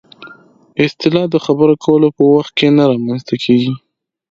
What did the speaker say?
اصطلاح د خبرو کولو په وخت کې نه رامنځته کېږي